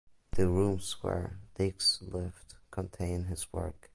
The rooms where Dix lived contain his work.